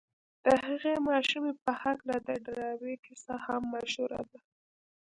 د هغې ماشومې په هکله د ډاربي کيسه هم مشهوره ده.